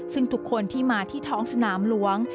ซึ่งทุกคนที่มาที่ท้องสนามหลวง